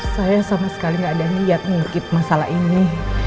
saya sama sekali gak ada niat mengikip masalah ini